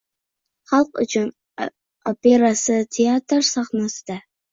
“Xalq uchun” operasi teatr sahnasida